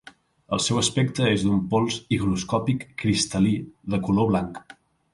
El seu aspecte és d'un pols higroscòpic cristal·lí de color blanc.